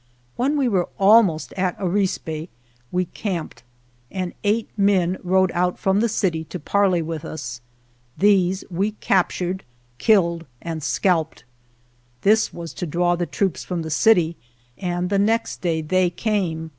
When we were almost at Arispe we camped, and eight men rode out from the city to parley with us. These we captured, killed, and scalped. This was to draw the troops from the city, and the next day they came.